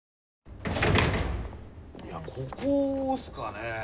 いやここっすかね？